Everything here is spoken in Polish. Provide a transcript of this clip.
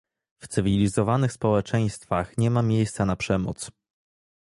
w cywilizowanych społeczeństwach nie ma miejsca na przemoc